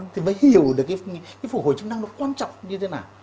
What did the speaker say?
thì mới hiểu được cái phục hồi chức năng nó quan trọng như thế nào